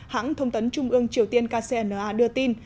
hãng thông tấn trung ương triều tiên kcna đưa tin